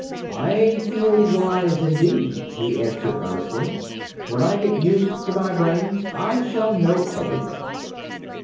"I feel wise indeed," he answered earnestly. "When I get used to my brains I shall know everything."